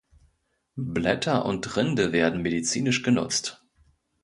Blätter und Rinde werden medizinisch genutzt.